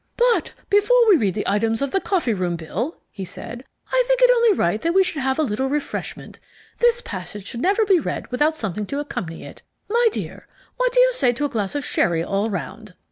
"But before we read the items of the coffee room bill," he said, "I think it only right that we should have a little refreshment. This passage should never be read without something to accompany it. My dear, what do you say to a glass of sherry all round?"